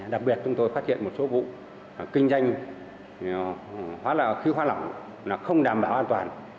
đặc biệt chúng tôi phát hiện một số vụ kinh doanh khí hoa lỏng không đảm bảo an toàn